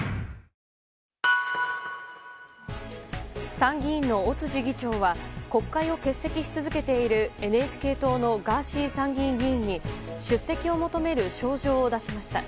参議院の尾辻議長は国会を欠席し続けているＮＨＫ党のガーシー参議院議員に出席を求める招状を出しました。